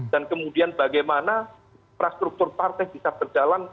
dan kemudian bagaimana prastruktur partai bisa berjalan